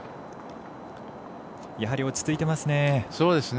やはり落ち着いていますね。